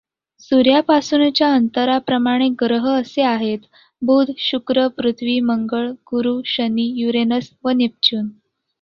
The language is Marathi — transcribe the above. सूर्यापासूनच्या अंतराप्रमाणे ग्रह असे आहेत बुध, शुक्र, पृथ्वी, मंगळ, गुरू, शनी, युरेनस व नेपच्यून.